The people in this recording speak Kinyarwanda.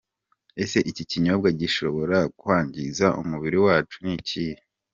Ese iki kinyobwa gishobora kwangiza umubiri wacu ni ikihe?.